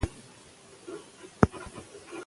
جګړه د جنورۍ په میاشت کې پیل شوه.